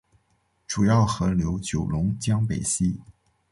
主要河流九龙江北溪。